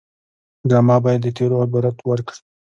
ډرامه باید د تېرو عبرت ورکړي